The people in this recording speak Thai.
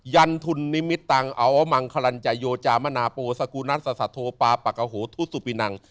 ยันทุนนิมิตตังอวมังคลันใจโยจามนาโปสกุนัสสัทโทปาปักกโหทุสุปินัง